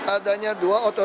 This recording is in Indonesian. adanya dua otorik